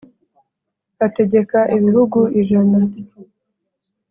ategeka ibihugu ijana.